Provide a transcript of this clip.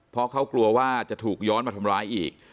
เพราะเขากลัวว่าจะถูกย้อนมาทำร้ายอีก